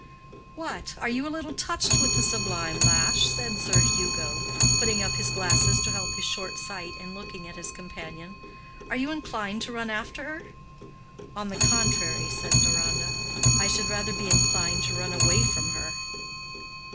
"What! are you a little touched with the sublime lash?" said Sir Hugo, putting up his glasses to help his short sight in looking at his companion. "Are you inclined to run after her?" "On the contrary," said Deronda, "I should rather be inclined to run away from her."